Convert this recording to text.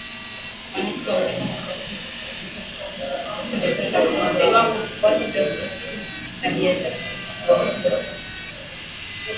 Wananchi wa Afrika Mashariki hivi sasa wanaweza kuwa huru kusafiri kwenda Kongo iwapo vikwazo vya kusafiri na biashara kama vile dola hamsini ya viza vimeondolewa